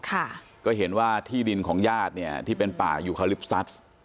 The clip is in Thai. ค่ะก็เห็นว่าที่ดินของญาติเนี่ยที่เป็นป่ายูคาลิปซัส